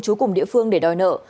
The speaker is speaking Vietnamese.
chú cùng địa phương để đòi nợ